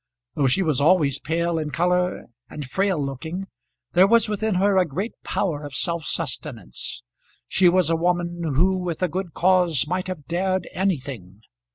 Though she was always pale in colour and frail looking, there was within her a great power of self sustenance. She was a woman who with a good cause might have dared anything.